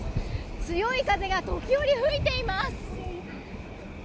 強い風が時折、吹いています。